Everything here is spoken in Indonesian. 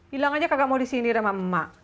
hilang aja kagak mau disini sama emak